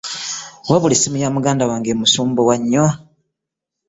Wabula esimu ya muganda wange emusumbuwa nnyo.